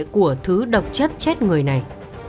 của thứ độc chất chết người này